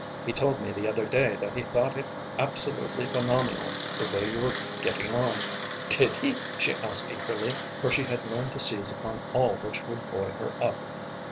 He told me the other day that he thought it absolutely phenomenal the way you were getting on." "Did he?" she asked eagerly, for she had learned to seize upon all which would buoy her up.